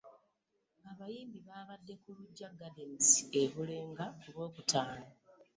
Abayimbi baabadde ku Lugya Gardens e Bulenga ku Lwokutaano.